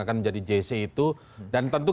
akan menjadi jc itu dan tentu